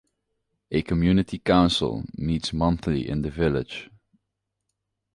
A community council meets monthly in the village.